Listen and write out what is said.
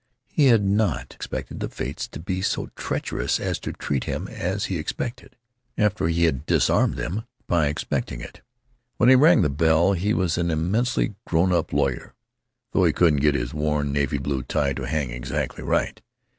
He had not expected the fates to be so treacherous as to treat him as he expected, after he had disarmed them by expecting it. When he rang the bell he was an immensely grown up lawyer (though he couldn't get his worn, navy blue tie to hang exactly right).